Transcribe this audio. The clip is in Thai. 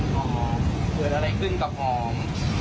เหมือนอะไรขึ้นกับหอม